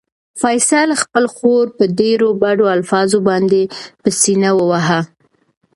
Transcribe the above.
فیصل خپله خور په ډېرو بدو الفاظو باندې په سېنه ووهله.